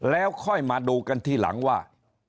แล้วค่อยมาดูกันทีหลังว่า